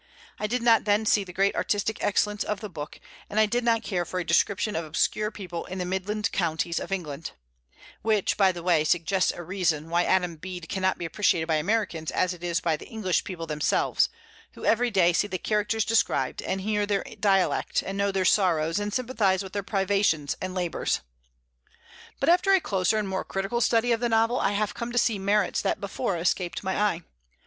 I did not then see the great artistic excellence of the book, and I did not care for a description of obscure people in the Midland Counties of England, which, by the way, suggests a reason why "Adam Bede" cannot be appreciated by Americans as it is by the English people themselves, who every day see the characters described, and hear their dialect, and know their sorrows, and sympathize with their privations and labors. But after a closer and more critical study of the novel I have come to see merits that before escaped my eye.